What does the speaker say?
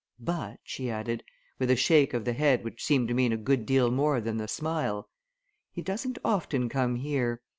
But," she added, with a shake of the head which seemed to mean a good deal more than the smile, "he doesn't often come here.